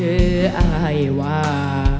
เจ้อ้ายว่า